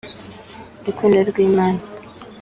Urukundo rw’Imana